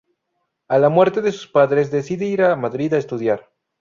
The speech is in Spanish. A la muerte de sus padres decide ir a Madrid a estudiar.